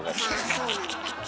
あそうなんだ。